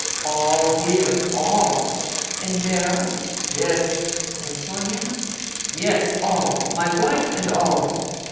All here— all." " And Vera ?"" Yes." " And Sonia ?..."" Yes, all — my wife and all.'